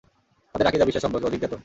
তাদের আকীদা-বিশ্বাস সম্পকে অধিক জ্ঞাত।